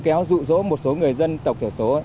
kéo rụ rỗ một số người dân tộc thiểu số